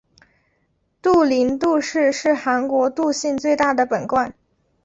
杜陵杜氏是韩国杜姓最大的本贯。